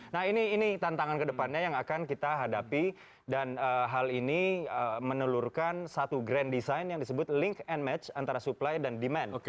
nah ini tantangan kedepannya yang akan kita hadapi dan hal ini menelurkan satu grand design yang disebut link and match antara supply dan demand